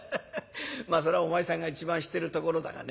まあそらお前さんが一番知ってるところだがね。